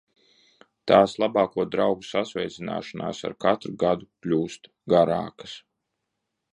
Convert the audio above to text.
Tās labāko draugu sasveicināšanās ar katru gadu kļūst garākas!